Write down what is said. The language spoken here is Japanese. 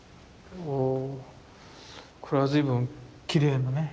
これは随分きれいなね